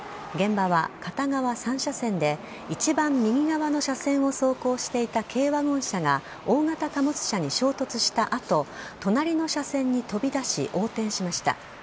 現場は片側３車線で一番右側の車線を走行していた軽ワゴン車が大型貨物車に衝突した後隣の車線に飛び出し横転しました。